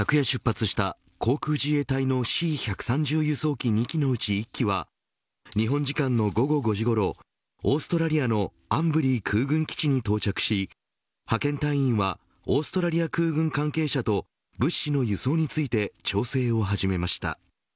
昨夜出発した航空自衛隊のＣ‐１３０輸送機２機のうち１機は日本時間の午後５時ごろオーストラリアのアンブリー空軍基地に到着し派遣隊員はオーストラリア空軍関係者と物資の輸送について調整を始めました。